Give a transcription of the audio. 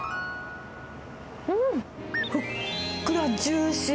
うん、ふっくらジューシー。